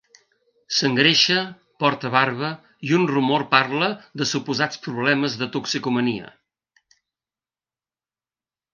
S'engreixa, porta barba i un rumor parla de suposats problemes de toxicomania.